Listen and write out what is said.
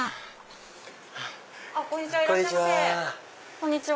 こんにちは。